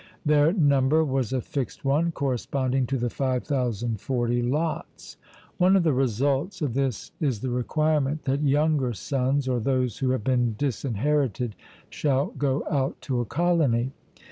Their number was a fixed one, corresponding to the 5040 lots. One of the results of this is the requirement that younger sons or those who have been disinherited shall go out to a colony.